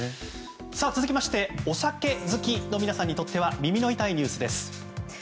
続いてはお酒好きの皆様にとっては耳の痛いニュースです。